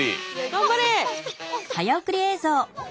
頑張れ！